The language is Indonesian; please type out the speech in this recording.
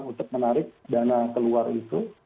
untuk menarik dana keluar itu